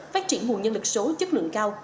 phát triển nguồn nhân lực số chất lượng cao